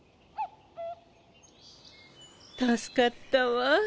助かったわ。